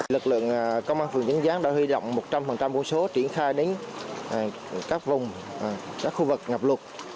lực lượng công an phường dân gián đã huy động một trăm linh bộ số triển khai đến các vùng các khu vực ngập lụt